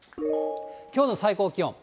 きょうの最高気温。